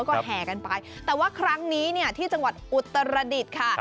ก็แห่กันไปแต่ว่าครั้งนี้เนี่ยที่จังหวัดอุตรดิษฐ์ค่ะ